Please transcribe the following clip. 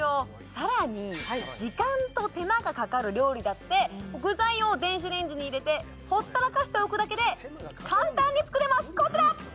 さらに時間と手間がかかる料理だって具材を電子レンジに入れてほったらかしておくだけで簡単に作れますこちら！